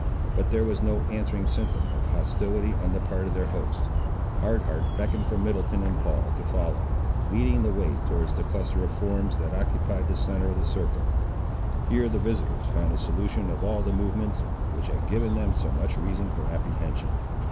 But there was no answering symptom of hostility on the part of their hosts. Hard Heart beckoned for Middleton and Paul to follow, leading the way towards the cluster of forms, that occupied the centre of the circle. Here the visiters found a solution of all the movements, which had given them so much reason for apprehension.